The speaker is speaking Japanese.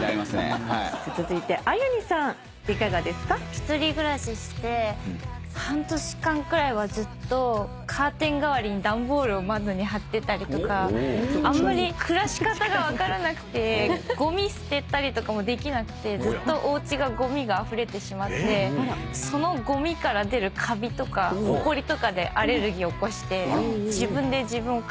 １人暮らしして半年間くらいはずっとカーテン代わりに段ボールを窓に張ってたりとかあんまり暮らし方が分からなくてごみ捨てたりとかもできなくてずっとおうちがごみがあふれてしまってそのごみから出るカビとかほこりとかでアレルギー起こして自分で自分を苦しめてました。